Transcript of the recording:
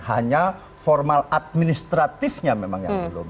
hanya formal administratifnya memang yang belum